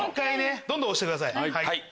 どんどん押してください